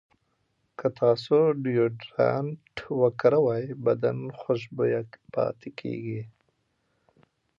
که تاسو ډیوډرنټ وکاروئ، بدن خوشبویه پاتې کېږي.